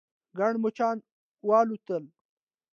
ګڼ مچان والوتل.